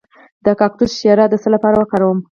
د کاکتوس شیره د څه لپاره وکاروم؟